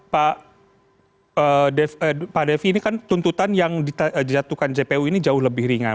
pak devy pak devy ini kan tuntutan yang dijatuhkan jpu ini jauh lebih ringan